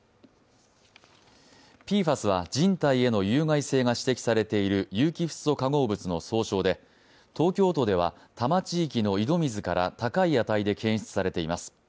ＰＦＡＳは人体への有害性が指摘されている有機フッ素化合物の総省で東京都では多摩地域の井戸水から高い値で検出されています。